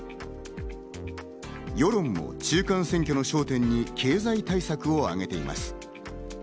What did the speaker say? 世論も中間選挙の焦点に経済対策をあげています。